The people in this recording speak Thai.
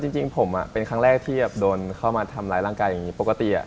จริงผมเป็นครั้งแรกที่โดนเข้ามาทำร้ายร่างกายอย่างนี้ปกติ